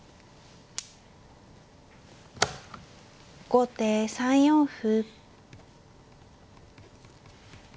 後手３四歩。